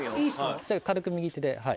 じゃあ軽く右手ではい。